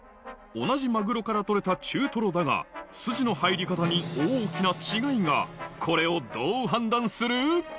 同じマグロから取れた中トロだがスジの入り方に大きな違いがこれをどう判断する？